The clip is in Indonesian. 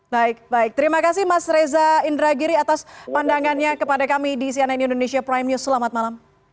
baik baik terima kasih mas reza indragiri atas pandangannya kepada kami di cnn indonesia prime news selamat malam